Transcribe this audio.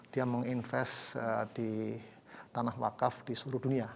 dia menginvest di tanah wakaf di seluruh dunia